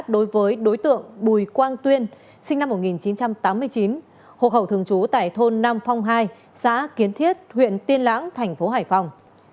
đối với đối tượng bùi quang tuyên sinh năm một nghìn chín trăm tám mươi chín hồ khẩu thường trú tại thôn năm phong hai xã kiến thiết huyện tiên lãng tp hải phòng